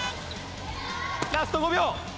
ラスト５秒！